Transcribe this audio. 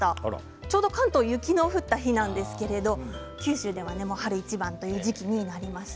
ちょうど関東は雪の降った日なんですけど九州では春一番という時期になりました。